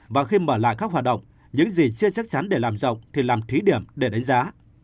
và khi mở lại các hoạt động những gì chưa chắc chắn để làm rộng thì làm thí điểm để đánh giá